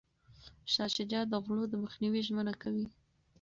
شاه شجاع د غلو د مخنیوي ژمنه کوي.